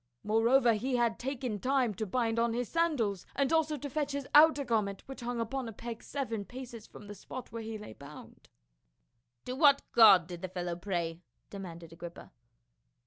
Moreover, he had taken time to bind on his sandals, and also to fetch his outer gar ment, which hung upon a peg seven paces from the spot where he lay bound." "To what god did the fellow pray?" demanded Agrippa.